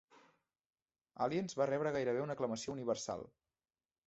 Aliens va rebre gairebé una aclamació universal.